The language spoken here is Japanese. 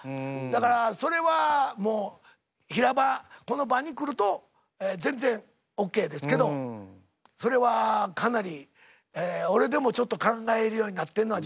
だからそれはもう平場この場に来ると全然オッケーですけどそれはかなり俺でもちょっと考えるようになってんのは事実です。